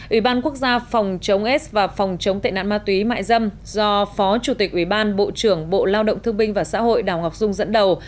ủy ban quốc gia phòng chống s và phòng chống tệ nạn ma túy mại dâm do phó chủ tịch ủy ban bộ trưởng bộ lao động thương binh và xã hội đào ngọc dung dẫn đầu